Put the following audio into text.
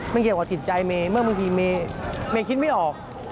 มันเกี่ยวกับจิตใจเมย์เมื่อบางทีเมย์คิดไม่ออก